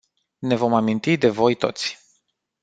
Ne vom aminti de voi toți.